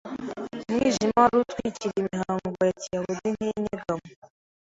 Umwijima wari utwikiriye imihango ya kiyuda nk’inyegamo,